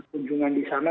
kunjungan di sana